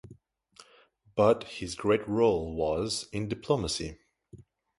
But his great role was in diplomacy.